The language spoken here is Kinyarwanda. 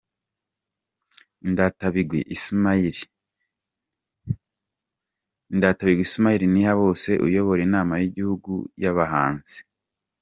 Indatabigwi Ismael Ntihabose Uyobora Inama y'Igihugu y'Abahanzi.